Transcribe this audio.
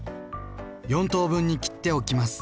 ４等分に切っておきます。